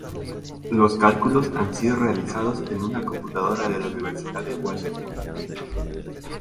Los cálculos han sido realizados en una computadora de la Universidad de Washington.